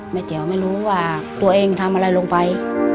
เตี๋ยวไม่รู้ว่าตัวเองทำอะไรลงไป